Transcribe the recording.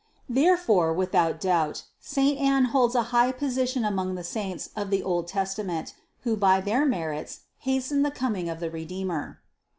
Therefore, without doubt, saint Anne holds a high position among the saints of the old Testa ment, who by their merits hastened the coming of the Redeemer.